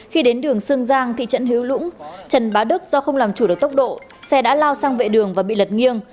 khi đến đường sương giang thị trấn hiếu lũng trần bá đức do không làm chủ được tốc độ xe đã lao sang vệ đường và bị lật nghiêng